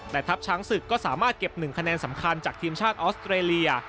แต่ทัพช้างศึกก็สามารถเก็บ๑คะแนนสำคัญจากทีมชาติออสเตรเลีย